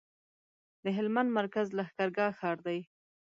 د هلمند مرکز لښکرګاه ښار دی